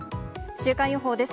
週間予報です。